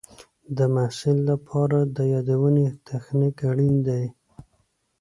د محصل لپاره د یادونې تخنیک اړین دی.